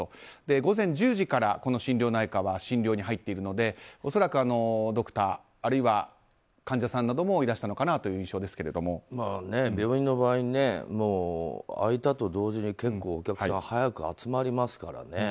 午前１０時から心療内科は診療に入っているので恐らくドクター、あるいは患者さんなどもいらしたのかな病院の場合開いたと同時に結構お客さんは早く集まりますからね。